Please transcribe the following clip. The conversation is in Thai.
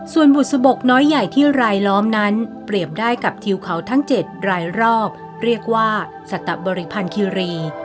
ส่วนบุษบกน้อยใหญ่ที่รายล้อมนั้นเปรียบได้กับทิวเขาทั้ง๗รายรอบเรียกว่าสัตบริพันธ์คิรี